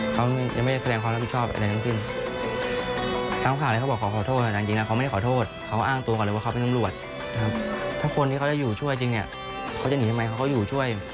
เขาจะหนีทำไมเขาอยู่ช่วย